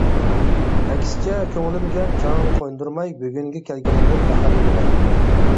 ئەكسىچە كۆڭلۈمگە چاڭ قوندۇرماي بۈگۈنگە كەلگىنىمدىن پەخىرلىنىمەن.